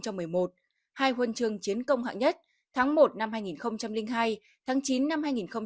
hai huân chương chiến công hạng nhất tháng một năm hai nghìn hai tháng chín năm hai nghìn tám